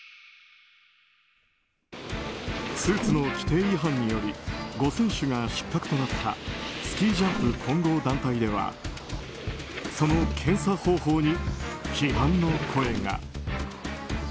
スーツの規定違反により５選手が失格となったスキージャンプ混合団体ではその検査方法に批判の声が。